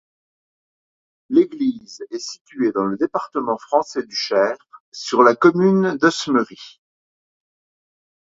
L'église est située dans le département français du Cher, sur la commune d'Osmery.